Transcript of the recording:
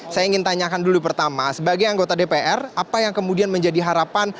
saya ingin tanyakan dulu pertama sebagai anggota dpr apa yang kemudian menjadi harapan